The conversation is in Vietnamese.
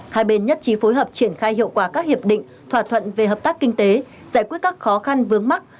hai bên nhất trí phối hợp triển khai hiệu quả các hiệp định thỏa thuận về hợp tác kinh tế giải quyết các khó khăn vướng mắt